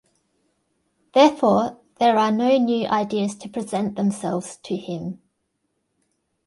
Therefore there are no new ideas to present themselves to Him.